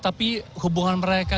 tapi hubungan mereka